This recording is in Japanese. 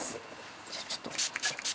じゃあちょっと。